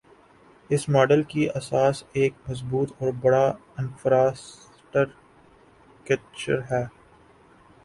اس model کی اساس ایک مضبوط اور بڑا انفراسٹرکچر ہے۔